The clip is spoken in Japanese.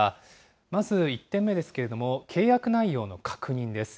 まず１点目ですけれども、契約内容の確認です。